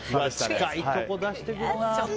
近いとこ出してくるな。